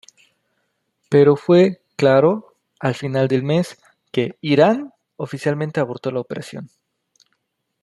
Pero fue claro al final del mes que Irán oficialmente abortó la operación.